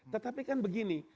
tetapi kan begini